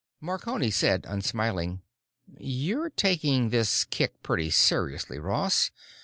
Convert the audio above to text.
Marconi said, unsmiling, "You're taking this kick pretty seriously, Ross.